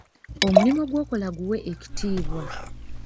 Omulimu gw'okola guwe ekitiibwa.